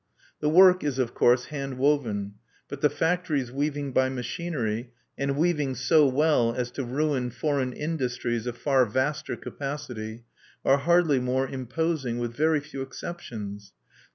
The work is, of course, hand woven. But the factories weaving by machinery and weaving so well as to ruin foreign industries of far vaster capacity are hardly more imposing, with very few exceptions.